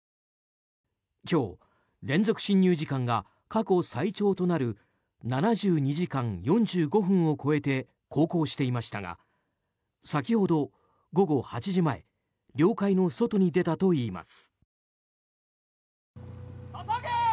今日、連続侵入時間が過去最長となる７２時間４５分を超えて航行していましたが先ほど午後８時前領海の外に出たといいます。